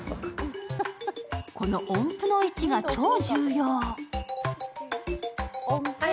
この音符の位置が超重要。